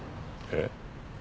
えっ？